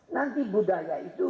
nanti budaya itu